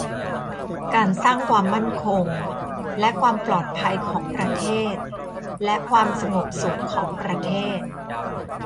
การสร้างความมั่นคงและความปลอดภัยของประเทศ และความสงบสุขของประเทศ